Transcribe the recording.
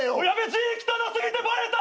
字汚過ぎてバレた！